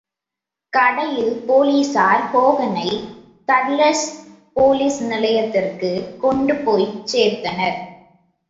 கடையில் போலிஸார் ஹோகனை தர்லஸ் போலிஸ் நிலையத்திற்குக் கொண்டுபோய்ச் சேர்ந்தனர்.